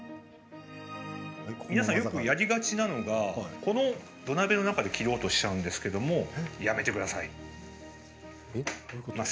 皆さんよくやりがちなのがこの土鍋の中で切ろうとしちゃうんですがやめてください。